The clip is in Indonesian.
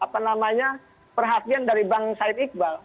perhatian dari bang said iqbal